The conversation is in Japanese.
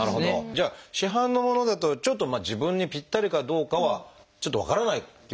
じゃあ市販のものだとちょっと自分にぴったりかどうかはちょっと分からないということになる。